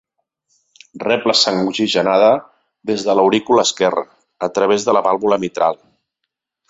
Rep la sang oxigenada des de l'aurícula esquerra a través de la vàlvula mitral.